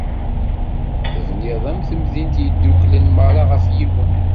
Tebniḍ am temdint yeddukklen merra ɣef yiwen.